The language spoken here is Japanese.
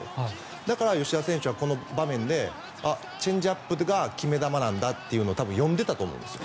だから吉田選手はこの場面であっ、チェンジアップが決め球なんだというのを多分、読んでたと思うんです。